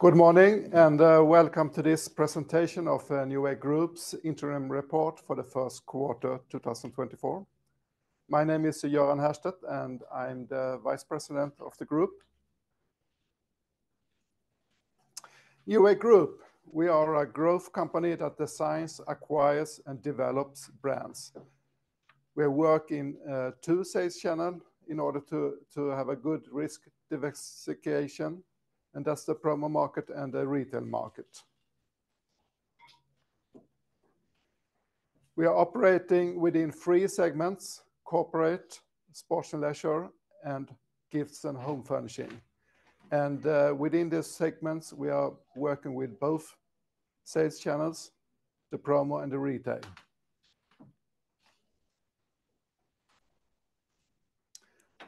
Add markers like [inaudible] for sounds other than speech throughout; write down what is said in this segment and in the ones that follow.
Good morning, and welcome to this presentation of New Wave Group's interim report for the first quarter, 2024. My name is Göran Härstedt, and I'm the Vice President of the group. New Wave Group, we are a growth company that designs, acquires, and develops brands. We work in two sales channel in order to have a good risk diversification, and that's the promo market and the retail market. We are operating within three segments: Corporate, Sports and Leisure, and Gifts and Home Furnishing. Within these segments, we are working with both sales channels, the promo and the retail.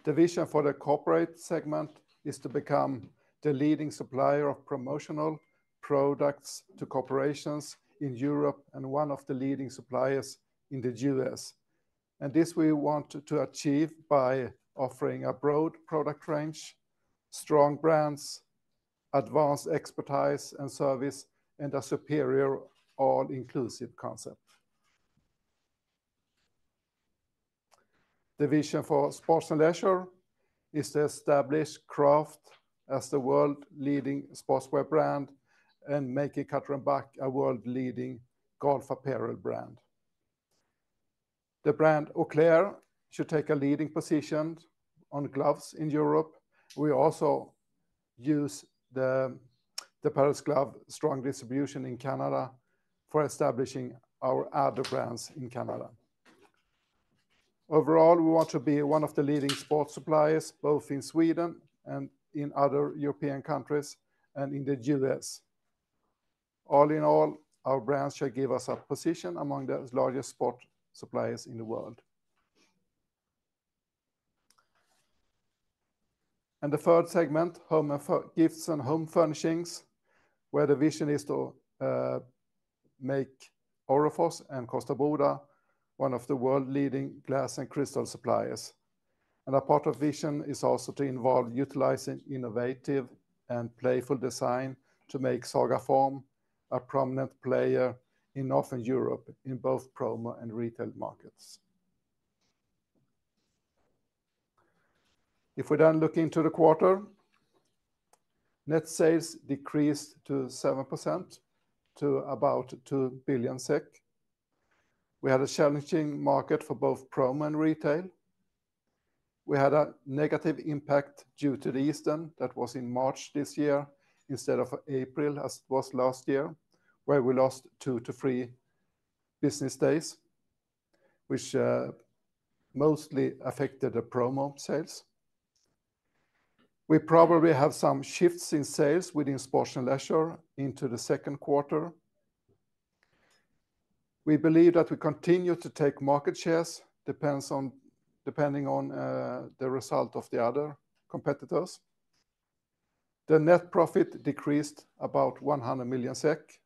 The vision for the corporate segment is to become the leading supplier of promotional products to corporations in Europe and one of the leading suppliers in the U.S. And this we want to achieve by offering a broad product range, strong brands, advanced expertise and service, and a superior all-inclusive concept. The vision for Sports and Leisure is to establish Craft as the world leading sportswear brand and making Cutter & Buck a world leading golf apparel brand. The brand Auclair should take a leading position on gloves in Europe. We also use the Paris Glove strong distribution in Canada for establishing our other brands in Canada. Overall, we want to be one of the leading sports suppliers, both in Sweden and in other European countries and in the U.S. All in all, our brands should give us a position among the largest sport suppliers in the world. The third segment, Gifts and Home Furnishings, where the vision is to make Orrefors and Kosta Boda one of the world's leading glass and crystal suppliers. A part of vision is also to involve utilizing innovative and playful design to make Sagaform a prominent player in Northern Europe, in both promo and retail markets. If we then look into the quarter, net sales decreased 7%, to about 2 billion SEK. We had a challenging market for both promo and retail. We had a negative impact due to the Easter. That was in March this year, instead of April, as it was last year, where we lost two-three business days, which mostly affected the promo sales. We probably have some shifts in sales within Sports and Leisure into the second quarter. We believe that we continue to take market shares, depending on the result of the other competitors. The net profit decreased about 100 million SEK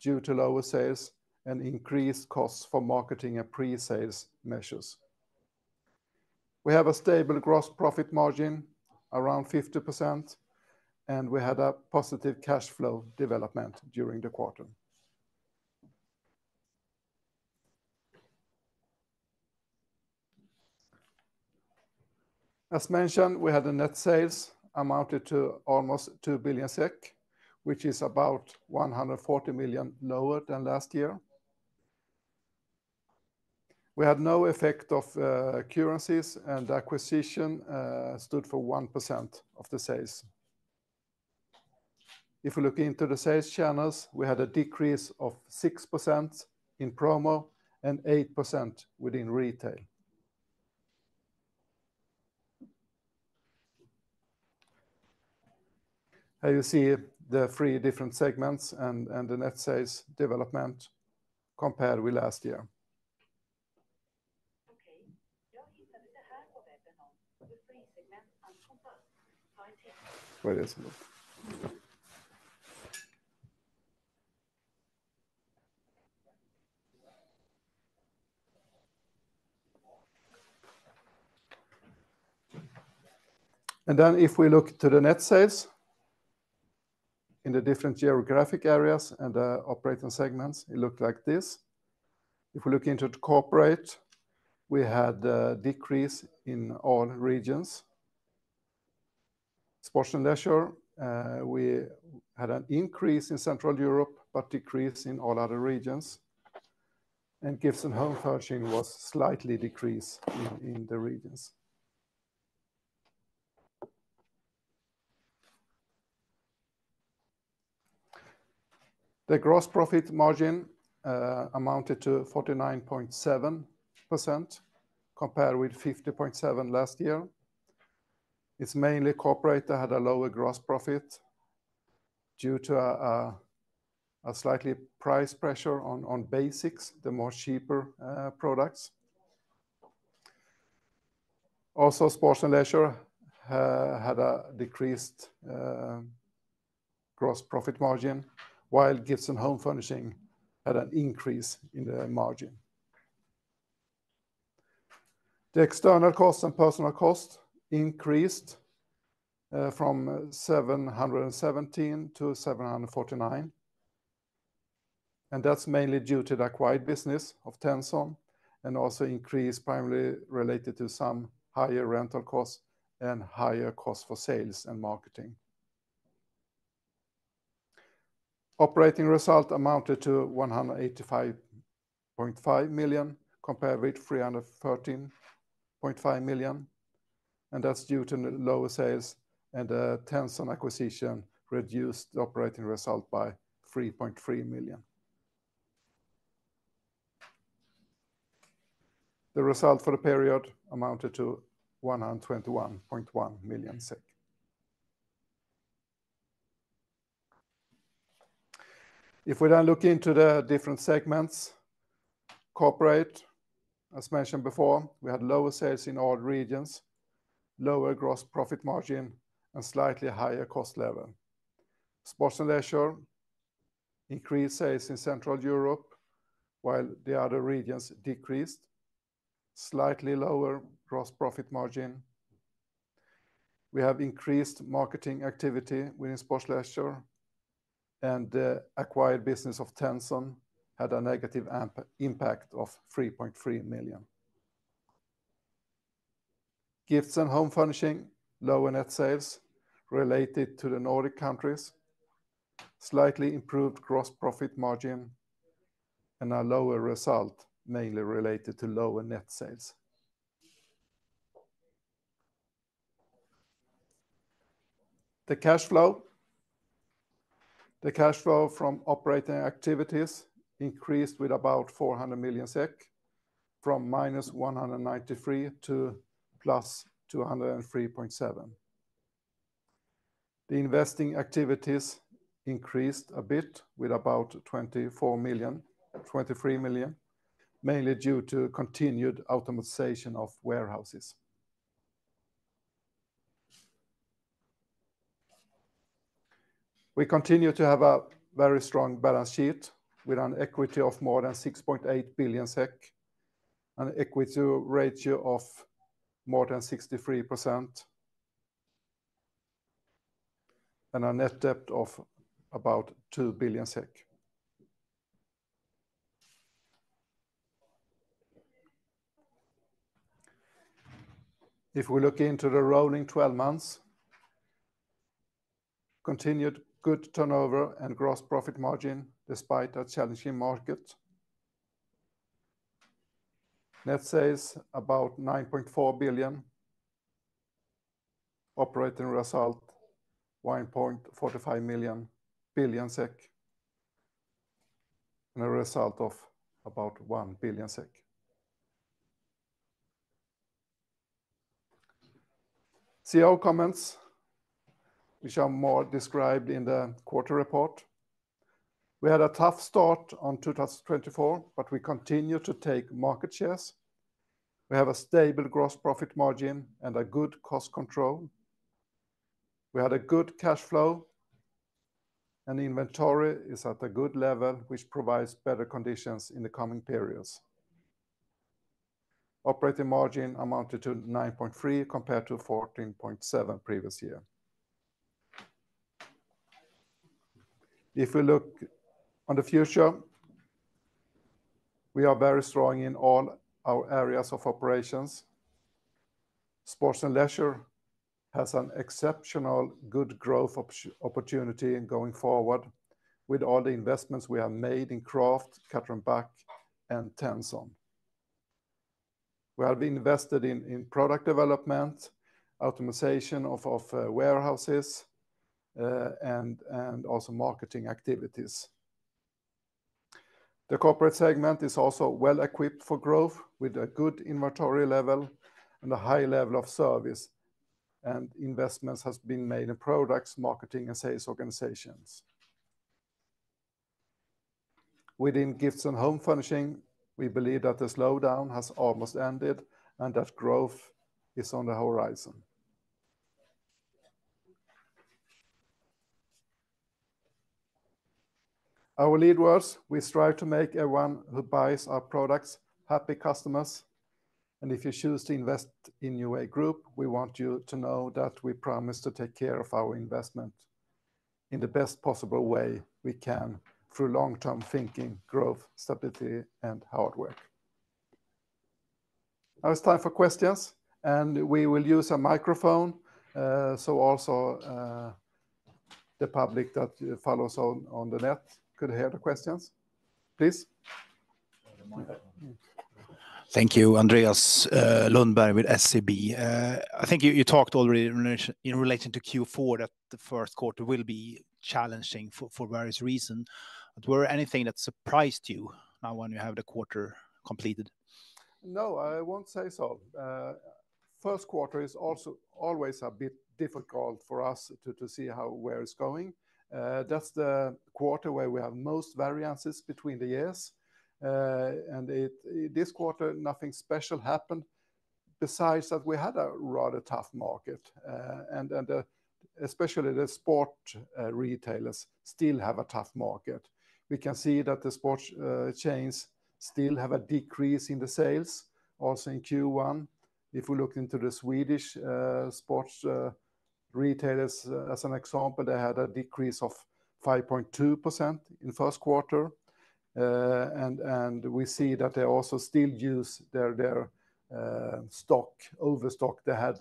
due to lower sales and increased costs for marketing and pre-sales measures. We have a stable gross profit margin, around 50%, and we had a positive cash flow development during the quarter. As mentioned, we had the net sales amounted to almost 2 billion SEK, which is about 140 million SEK lower than last year. We had no effect of currencies, and acquisition stood for 1% of the sales. If we look into the sales channels, we had a decrease of 6% in promo and 8% within retail. Here you see the three different segments and the net sales development compared with last year. Okay. [audio distortion] Wait a second. If we look to the net sales in the different geographic areas and the operating segments, it looked like this. If we look into the Corporate, we had a decrease in all regions. Sports and Leisure, we had an increase in Central Europe, but decrease in all other regions, and Gifts and Home Furnishing was slightly decreased in the regions. The gross profit margin amounted to 49.7%, compared with 50.7% last year. It's mainly Corporate that had a lower gross profit due to a slightly price pressure on basics, the more cheaper products. Also, Sports and Leisure had a decreased gross profit margin, while Gifts and Home Furnishing had an increase in the margin. The external costs and personnel costs increased from 717 to 749. That's mainly due to the acquired business of Tenson, and also increased primarily related to some higher rental costs and higher costs for sales and marketing. Operating result amounted to 185.5 million, compared with 313.5 million, and that's due to lower sales, and the Tenson acquisition reduced the operating result by 3.3 million. The result for the period amounted to 121.1 million SEK. If we then look into the different segments, corporate, as mentioned before, we had lower sales in all regions, lower gross profit margin, and slightly higher cost level. Sports and Leisure increased sales in Central Europe, while the other regions decreased. Slightly lower gross profit margin. We have increased marketing activity within Sports and Leisure, and the acquired business of Tenson had a negative impact of 3.3 million. Gifts and Home Furnishing, lower net sales related to the Nordic countries, slightly improved gross profit margin, and a lower result, mainly related to lower net sales. The cash flow, the cash flow from operating activities increased with about 400 million SEK, from -193 million SEK to +203.7 million SEK. The investing activities increased a bit, with about 23 million SEK, mainly due to continued automation of warehouses. We continue to have a very strong balance sheet, with an equity of more than 6.8 billion SEK, an equity ratio of more than 63%, and a net debt of about 2 billion SEK. If we look into the rolling twelve months, continued good turnover and gross profit margin despite a challenging market. Net sales, about 9.4 billion. Operating result, 1.45 billion SEK, and a result of about 1 billion SEK. CEO comments, which are more described in the quarter report. We had a tough start on 2024, but we continue to take market shares. We have a stable gross profit margin and a good cost control. We had a good cash flow, and inventory is at a good level, which provides better conditions in the coming periods. Operating margin amounted to 9.3%, compared to 14.7% previous year. If we look on the future, we are very strong in all our areas of operations. Sports and Leisure has an exceptional good growth opportunity going forward, with all the investments we have made in Craft, Cutter & Buck, and Tenson. We have invested in product development, automation of warehouses, and also marketing activities. The corporate segment is also well-equipped for growth, with a good inventory level and a high level of service, and investments has been made in products, marketing, and sales organizations. Within Gifts and Home Furnishing, we believe that the slowdown has almost ended, and that growth is on the horizon. Our lead words, we strive to make everyone who buys our products happy customers, and if you choose to invest in New Wave Group, we want you to know that we promise to take care of our investment in the best possible way we can through long-term thinking, growth, stability, and hard work. Now it's time for questions, and we will use a microphone, so also, the public that follow us on the net could hear the questions. Please? Thank you, Andreas Lundberg with SEB. I think you talked already in relation to Q4, that the first quarter will be challenging for various reasons. But were anything that surprised you, now when you have the quarter completed? No, I won't say so. First quarter is also always a bit difficult for us to see how, where it's going. That's the quarter where we have most variances between the years. And it... This quarter, nothing special happened, besides that we had a rather tough market, and especially the sport retailers still have a tough market. We can see that the sports chains still have a decrease in the sales, also in Q1. If we look into the Swedish sports retailers, as an example, they had a decrease of 5.2% in first quarter. And we see that they also still use their stock, overstock they had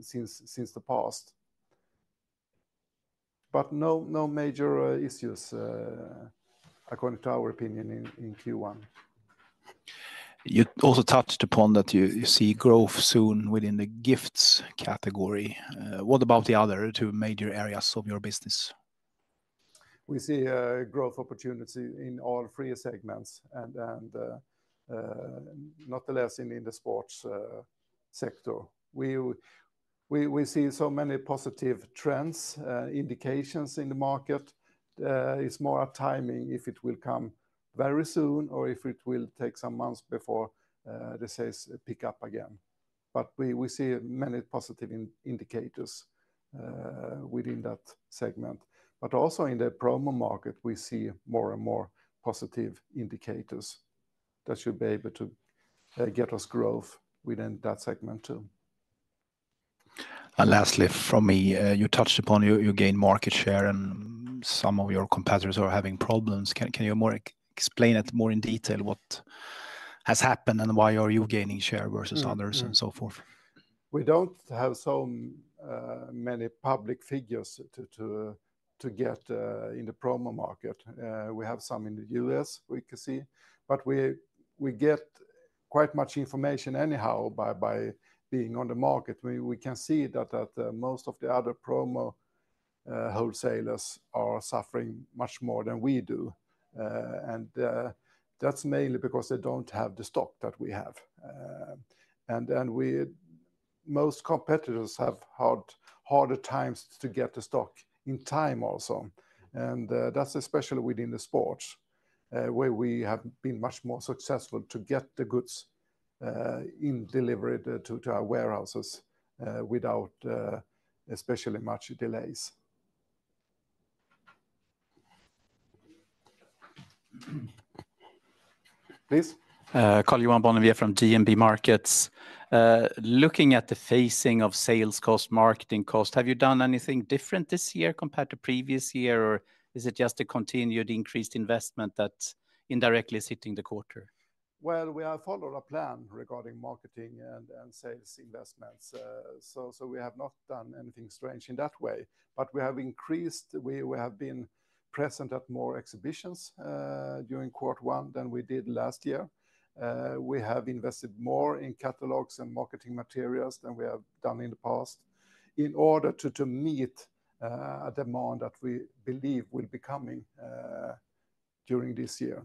since the past. But no major issues according to our opinion in Q1. You also touched upon that you, you see growth soon within the gifts category. What about the other two major areas of your business? We see growth opportunity in all three segments and not the least in the sports sector. We see so many positive trends, indications in the market. It's more a timing, if it will come very soon or if it will take some months before the sales pick up again. But we see many positive indicators within that segment. But also in the Promo market, we see more and more positive indicators that should be able to get us growth within that segment, too. Lastly, from me, you touched upon you gained market share, and some of your competitors are having problems. Can you more explain it more in detail what has happened, and why are you gaining share versus others? Mm, mm... and so forth? We don't have so many public figures to get in the promo market. We have some in the U.S. we can see, but we get quite much information anyhow by being on the market. We can see that most of the other promo wholesalers are suffering much more than we do. And that's mainly because they don't have the stock that we have. And then most competitors have had harder times to get the stock in time also, and that's especially within the sports where we have been much more successful to get the goods in delivered to our warehouses without especially much delays. Please? Carl Johan Bonnevier from DNB Markets. Looking at the phasing of sales cost, marketing cost, have you done anything different this year compared to previous year? Or is it just a continued increased investment that indirectly is hitting the quarter? Well, we have followed a plan regarding marketing and sales investments, so we have not done anything strange in that way. But we have increased; we have been present at more exhibitions during quarter one than we did last year. We have invested more in catalogs and marketing materials than we have done in the past, in order to meet a demand that we believe will be coming during this year.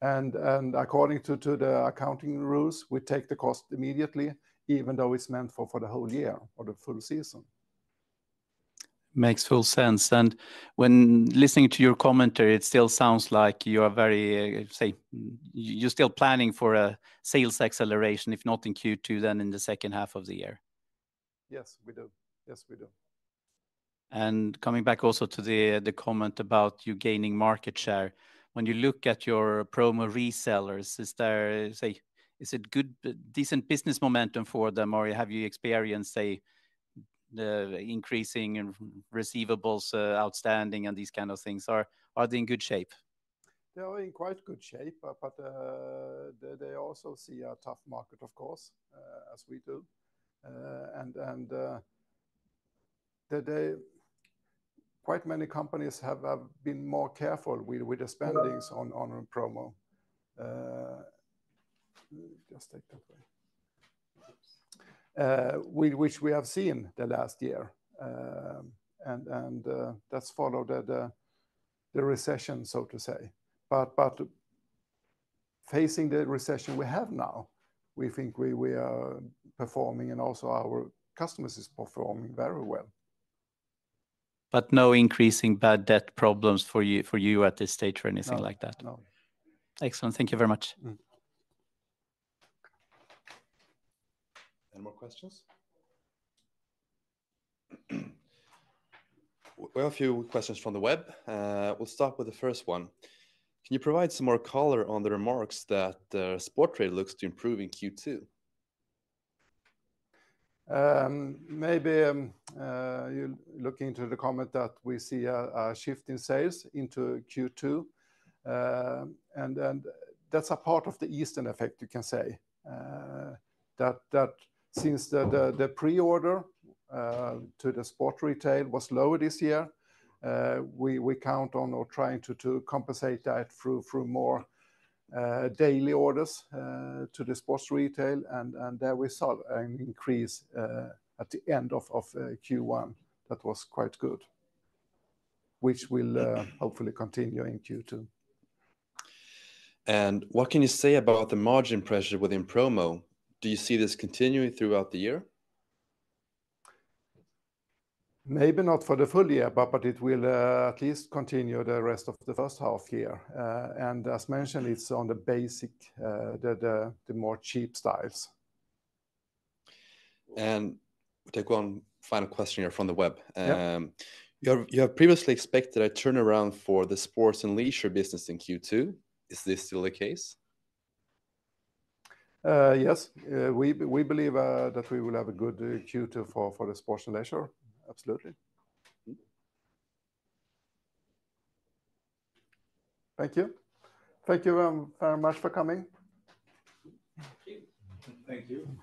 And according to the accounting rules, we take the cost immediately, even though it's meant for the whole year or the full season. Makes full sense. And when listening to your commentary, it still sounds like you are very, you're still planning for a sales acceleration, if not in Q2, then in the second half of the year. Yes, we do. Yes, we do. Coming back also to the comment about you gaining market share. When you look at your promo resellers, is there, say, is it good, decent business momentum for them, or have you experienced, say, the increasing in receivables outstanding and these kind of things? Are they in good shape? They are in quite good shape, but they also see a tough market, of course, as we do. And quite many companies have been more careful with the spendings on promo. Just take that away. Which we have seen the last year, and that's followed the recession, so to say. But facing the recession we have now, we think we are performing and also our customers is performing very well. No increasing bad debt problems for you, for you at this stage or anything like that? No, no. Excellent. Thank you very much. Mm. Any more questions? We have a few questions from the web. We'll start with the first one. Can you provide some more color on the remarks that Sport Trade looks to improve in Q2? Maybe you're looking into the comment that we see a shift in sales into Q2. And then that's a part of the Easter effect, you can say. That since the pre-order to the sport retail was lower this year, we count on or trying to compensate that through more daily orders to the sports retail, and there we saw an increase at the end of Q1 that was quite good, which will hopefully continue in Q2. What can you say about the margin pressure within promo? Do you see this continuing throughout the year? Maybe not for the full year, but it will at least continue the rest of the first half year. And as mentioned, it's on the basic, the more cheap styles. We take one final question here from the web. Yep. You have previously expected a turnaround for the sports and leisure business in Q2. Is this still the case? Yes. We believe that we will have a good Q2 for the sports and leisure. Absolutely. Mm. Thank you. Thank you, very much for coming. Thank you.